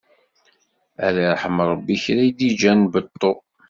Ad iṛḥem Ṛebbi kra i d-iǧǧan beṭṭu!